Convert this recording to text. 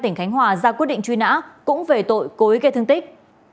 tỉnh khánh hòa ra quyết định truy nã cũng về tội cối gây thương tích